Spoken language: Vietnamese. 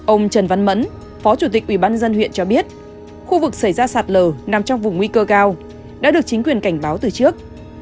ông trần văn mẫn phó chủ tịch ubnd huyện cho biết khu vực xảy ra sạt lở nằm trong vùng nguy cơ cao đã được chính quyền cảnh báo từ trước